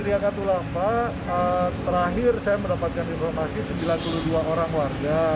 kria katulampa terakhir saya mendapatkan informasi sembilan puluh dua orang warga